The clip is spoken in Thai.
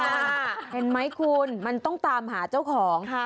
เห็นไหมคุณมันต้องตามหาเจ้าของ